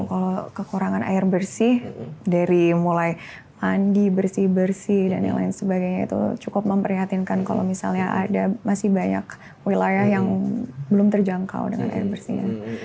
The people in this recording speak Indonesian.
kalau kekurangan air bersih dari mulai mandi bersih bersih dan yang lain sebagainya itu cukup memprihatinkan kalau misalnya ada masih banyak wilayah yang belum terjangkau dengan air bersihnya